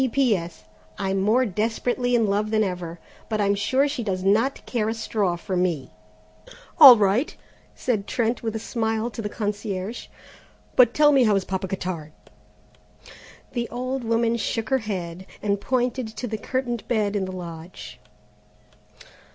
"P.P.S. I'm more desperately in love than ever, but I'm sure she does not care a straw for me." "All right," said Trent, with a smile, to the concierge; "but tell me, how is Papa Cottard?" The old woman shook her head and pointed to the curtained bed in the lodge.